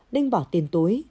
linh bỏ tiền tối